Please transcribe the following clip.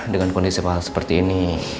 dengan kondisi pak al seperti ini